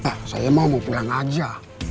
ah saya mau mau pulang aja